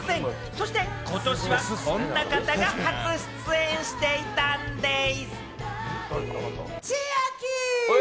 そして今年はこんな方が初出演していたんです。